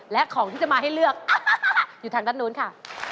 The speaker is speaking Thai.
และของที่จะมาให้เลือกอยู่ทางด้านนู้นค่ะ